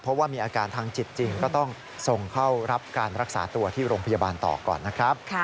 เพราะว่ามีอาการทางจิตจริงก็ต้องส่งเข้ารับการรักษาตัวที่โรงพยาบาลต่อก่อนนะครับ